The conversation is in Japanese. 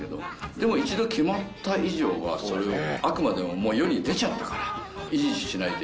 でも一度決まった以上はそれをあくまでももう世に出ちゃったから。